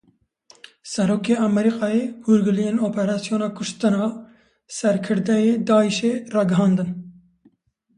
Serokê Amerîkayê hûrgiliyên operasyona kuştina serkirdeyê Daişê ragihandin.